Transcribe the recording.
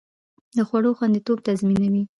د خوړو خوندیتوب تضمینوي.